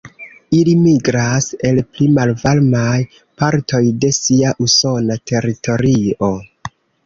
Ili migras el pli malvarmaj partoj de sia usona teritorio.